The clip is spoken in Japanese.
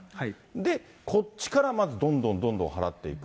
で、こっちからどんどんどんどん払っていく。